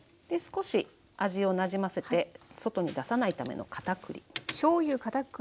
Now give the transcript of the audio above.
で少し味をなじませて外に出さないためのかたくり。